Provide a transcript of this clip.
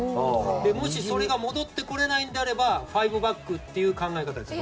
もし、それが戻ってこれないのであれば５バックという考え方です。